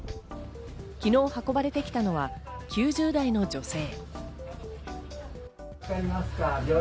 昨日運ばれてきたのは９０代の女性。